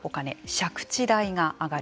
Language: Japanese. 借地代が上がる。